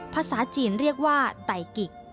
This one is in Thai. ภาษาจีนเรียกว่าไตกิก